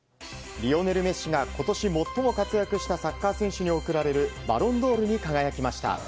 リオネル・メッシが今年最も活躍したサッカー選手に贈られるバロンドールに輝きました。